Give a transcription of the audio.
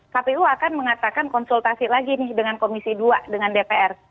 kpu akan mengatakan konsultasi lagi nih dengan komisi dua dengan dpr